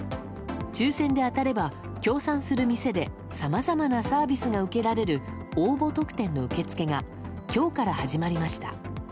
抽選で当たれば、協賛する店でさまざまなサービスが受けられる応募特典の受け付けが今日から始まりました。